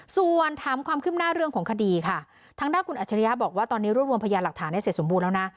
ส่วนถามความคืบหน้าเรื่องของคดีค่ะทางด้านคุณอัจฉริยะบอกว่าตอนนี้รวบรวมพยานหลักฐานให้เสร็จสมบูรณแล้วนะ